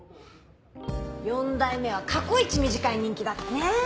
四代目は過去一短い任期だったね。